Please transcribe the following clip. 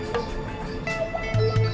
masa bawa domba susah